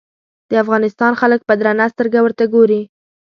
د افغانستان خلک په درنه سترګه ورته ګوري.